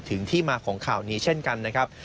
ที่มาของข่าวนี้เช่นกันนะครับ